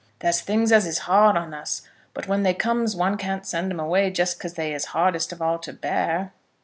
There's things as is hard on us; but when they comes one can't send 'em away just because they is hardest of all to bear.